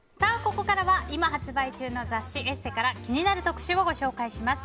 ここからは今発売中の雑誌「ＥＳＳＥ」から気になる特集をご紹介します。